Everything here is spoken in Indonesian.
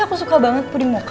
aku suka banget puding muka